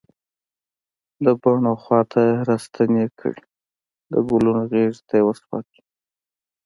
د بڼ و خواته راستنې کړي د ګلونو غیږ ته یې وسپاری